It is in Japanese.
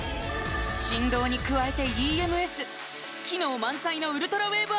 振動に加えてＥＭＳ機能満載のウルトラウェーブ